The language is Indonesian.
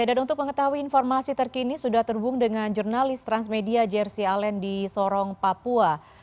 dan untuk mengetahui informasi terkini sudah terhubung dengan jurnalis transmedia jersey allen di sorong papua